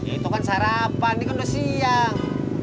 ya itu kan sarapan ini kan udah siang